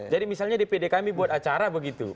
jadi misalnya di pd kami buat acara begitu